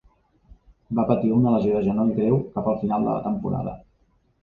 Va patir una lesió de genoll greu cap al final de la temporada.